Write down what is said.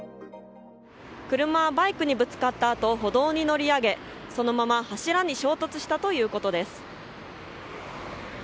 車はバイクにぶつかったあと歩道に乗り上げそのまま柱に衝突したということです。